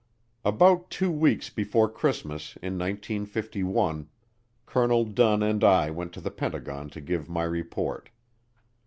About two weeks before Christmas, in 1951, Colonel Dunn and I went to the Pentagon to give my report.